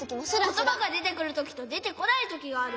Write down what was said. ことばがでてくるときとでてこないときがあるんだ！